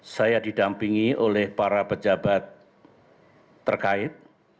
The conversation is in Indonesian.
saya didampingi oleh para pejabat terkait